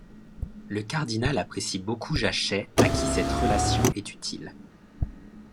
Le cardinal apprécie beaucoup Jachet à qui cette relation est utile.